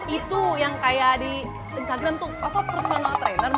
itu yang kayak di instagram tuh personal trainer